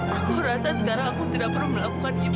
aku rasa sekarang aku tidak pernah melakukan itu